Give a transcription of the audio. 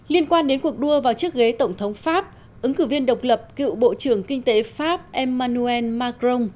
liên quan đến cuộc đua vào chiếc ghế tổng thống pháp ứng cử viên độc lập cựu bộ trưởng kinh tế pháp emmanuel macron